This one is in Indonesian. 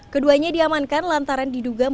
keduanya diamankan lantaran diduga